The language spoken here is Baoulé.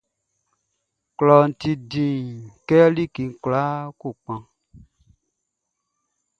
Klɔʼn ti dĩn kɛ like kwlaa kɔ kpaʼn.